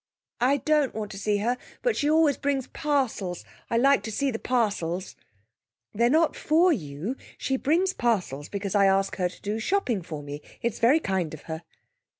'I don't want to see her; but she always brings parcels. I like to see the parcels.' 'They are not for you; she brings parcels because I ask her to do shopping for me. It's very kind of her.'